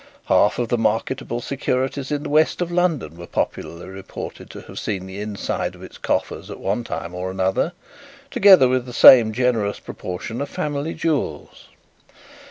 Half of the marketable securities in the west of London were popularly reported to have seen the inside of its coffers at one time or another, together with the same generous proportion of family jewels.